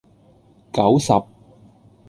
九十